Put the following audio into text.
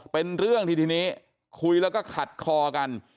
เป็นเรื่องที่ทีนี้คุยแล้วก็ขัดคอกัน